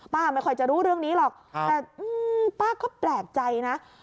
ไม่ค่อยจะรู้เรื่องนี้หรอกแต่ป้าก็แปลกใจนะ